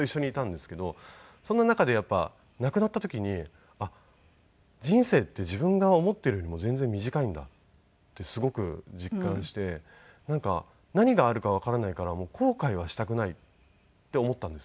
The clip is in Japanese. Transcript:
そんな中でやっぱり亡くなった時に人生って自分が思っているよりも全然短いんだってすごく実感して何があるかわからないから後悔はしたくないって思ったんですよ。